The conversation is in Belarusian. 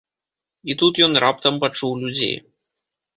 І тут ён раптам пачуў людзей.